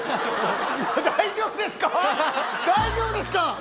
大丈夫ですか？